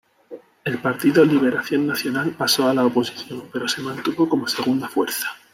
El Partido Liberación Nacional pasó a la oposición pero se mantuvo como segunda fuerza.